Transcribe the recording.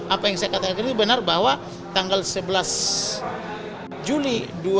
apa yang saya katakan itu benar bahwa tanggal sebelas juli dua ribu dua puluh